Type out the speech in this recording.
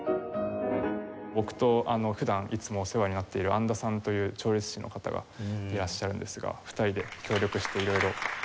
僕と普段いつもお世話になっている按田さんという調律師の方がいらっしゃるんですが２人で協力して色々今実験してるところなので。